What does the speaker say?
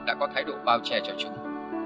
đã có thái độ bao che cho chúng